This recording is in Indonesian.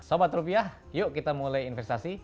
sobat rupiah yuk kita mulai investasi